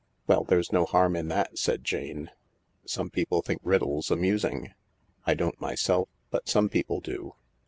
"Well, there's no harm in that," said Jane. "Some people think riddles amusing. I don't myself, but some people do."